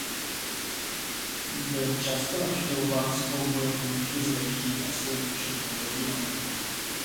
Byl často navštěvován spolubojovníky z legií a svojí početnou rodinou.